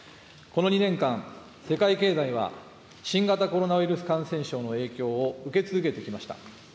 この２年間、世界経済は新型コロナウイルス感染症の影響を受け続けてきました。